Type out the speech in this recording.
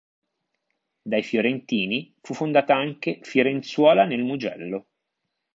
Dai fiorentini fu fondata anche Firenzuola nel Mugello.